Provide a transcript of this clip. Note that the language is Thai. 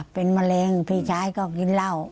เป็นแมลงพี่ชายก็กินเหล้า